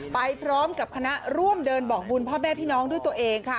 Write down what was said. ไปพร้อมกับคณะร่วมเดินบอกบุญพ่อแม่พี่น้องด้วยตัวเองค่ะ